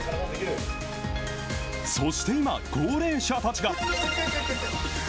そして今、高齢者たちが。